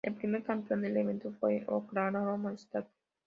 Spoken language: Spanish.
El primer campeón del evento fue Oklahoma State.